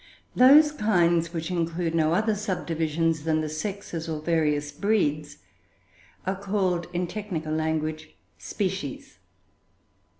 Those kinds which include no other subdivisions than the sexes, or various breeds, are called, in technical language, species.